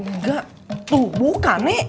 nggak tuh buka nek